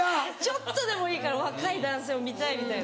ちょっとでもいいから若い男性を見たいみたいな。